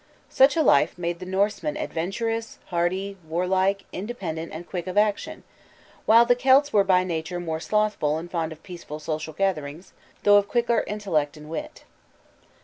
Such a life made the Norsemen adventurous, hardy, warlike, independent, and quick of action, while the Celts were by nature more slothful and fond of peaceful social gatherings, though of quicker intellect and wit.